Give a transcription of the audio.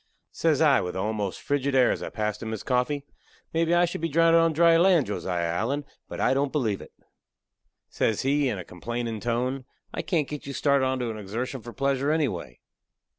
Says I, with a almost frigid air as I passed him his coffee, "Mebee I shall be drounded on dry land, Josiah Allen, but I don't believe it." Says he, in a complainin' tone: "I can't get you started onto a exertion for pleasure anyway."